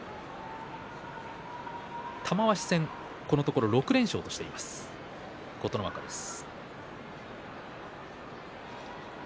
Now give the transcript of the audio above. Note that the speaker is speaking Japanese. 玉鷲戦、このところ６連勝としている琴ノ若です。